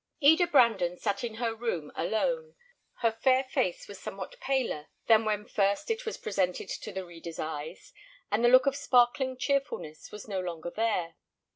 Eda Brandon sat in her room alone. Her fair face was somewhat paler than when first it was presented to the reader's eyes, and the look of sparkling cheerfulness was no longer there.